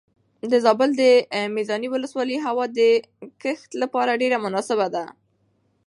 د زابل د میزانې ولسوالۍ هوا د کښت لپاره ډېره مناسبه ده.